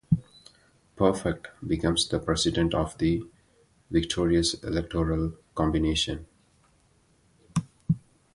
Prefect becomes the president of the victorious electoral combination.